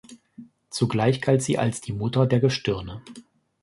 Zugleich galt sie als die Mutter der Gestirne.